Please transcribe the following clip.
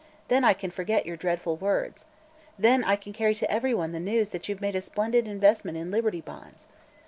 Then I can forget your dreadful words. Then I can carry to everyone the news that you've made a splendid investment in Liberty Bonds.